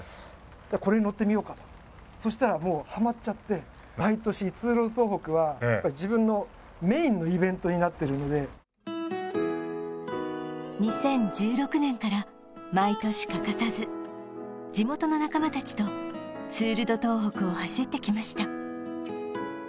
これに乗ってみようかとそしたらもうハマっちゃって毎年になってるので２０１６年から毎年欠かさず地元の仲間達とツール・ド・東北を走ってきました